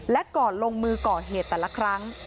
และก่อนลงมือก่อเหตุแต่ละครั้ง